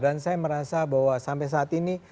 dan saya merasa bahwa sampai saat ini